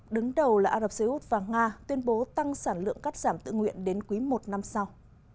đứng đầu là ả rập xê út và nga tuyên bố tăng sản lượng cắt giảm tự nguyện đến quý một năm sau